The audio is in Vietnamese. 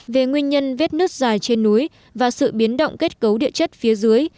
về nguyên nhân vết nứt dài trên núi và sự biến động kết cấu địa chất phía dưới